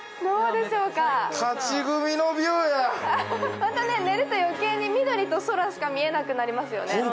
また寝ると余計に緑と空しか見えなくなりますよね。